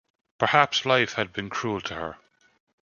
Perhaps life had been cruel to her.